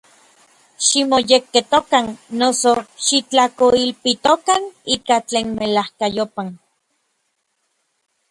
Ximoyekketokan, noso, xitlajkoilpitokan ika tlen melajkayopaj.